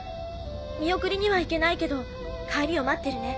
見送りには行けないけど帰りを待ってるね。